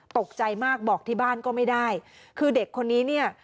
ตกใจมากบอกที่บ้านก็ไม่ได้คือเด็กคนนี้เนี่ย